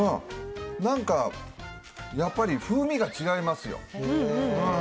なんか、やっぱり風味が違いますよ。